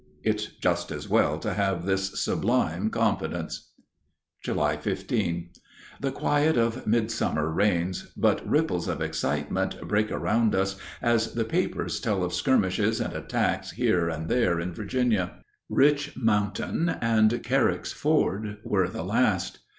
It's just as well to have this sublime confidence. July 15. The quiet of midsummer reigns, but ripples of excitement break around us as the papers tell of skirmishes and attacks here and there in Virginia. "Rich Mountain" and "Carrick's Ford" were the last.